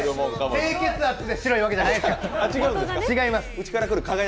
低血圧で白いわけじゃないですから。